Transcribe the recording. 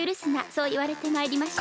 そういわれてまいりました。